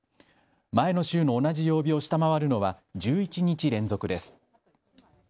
前の週の同じ曜日を下回るのは１１日連続です。